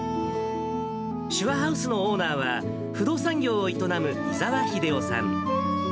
しゅわハウスのオーナーは、不動産業を営む伊澤英雄さん。